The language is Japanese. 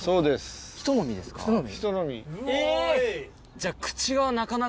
じゃあ。